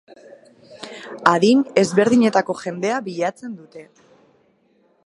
Adin ezberdinetako jendea bilatzen dute.